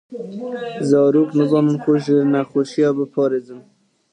Zarok nizanin xwe ji nexweşiyan biparêzin.